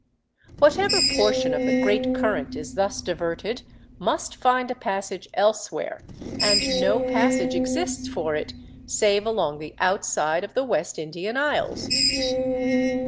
Whatever portion of the great current is thus diverted must find a passage elsewhere, and no passage exists for it save along the outside of the West Indian Isles.